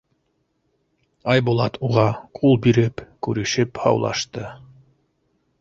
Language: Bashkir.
Айбулат уға ҡул биреп күрешеп һаулашты.